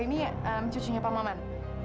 ini cucunya pak maman